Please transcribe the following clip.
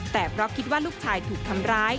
แต่เพราะคิดว่าลูกชายถูกทำร้าย